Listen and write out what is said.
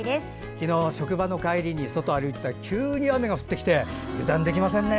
昨日、職場の帰りに外歩いてたら急に雨が降ってきて油断できませんね。